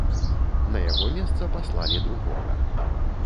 На яго месца паслалі другога.